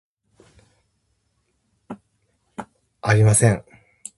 I wasn't.